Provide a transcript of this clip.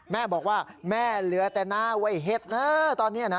แม่บอกว่าแม่เหลือแต่หน้าไว้เห็ดนะตอนนี้นะ